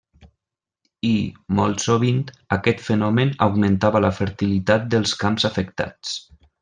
I, molt sovint, aquest fenomen augmentava la fertilitat dels camps afectats.